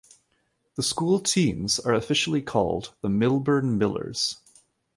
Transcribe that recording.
The school teams are officially called the Millburn Millers.